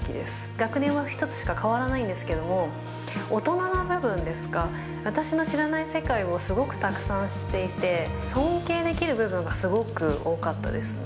学年は１つしか変わらないんですけども、大人な部分ですか、私の知らない世界をすごくたくさん知っていて、尊敬できる部分がすごく多かったですね。